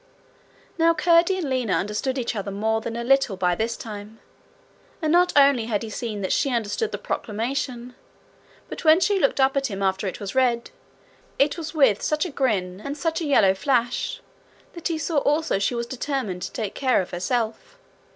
Now Curdie and Lina understood each other more than a little by this time, and not only had he seen that she understood the proclamation, but when she looked up at him after it was read, it was with such a grin, and such a yellow flash, that he saw also she was determined to take care of herself.